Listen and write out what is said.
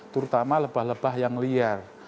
terutama lebah lebah yang liar